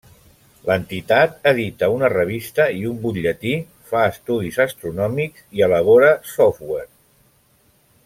L'entitat edita una revista i un butlletí, fa estudis astronòmics i elabora software.